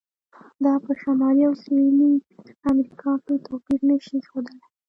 دا په شمالي او سویلي امریکا کې توپیر نه شي ښودلی.